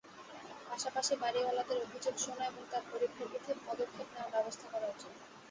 পাশাপাশি বাড়িওয়ালাদের অভিযোগ শোনা এবং তার পরিপ্রেক্ষিতে পদক্ষেপ নেওয়ার ব্যবস্থা করা উচিত।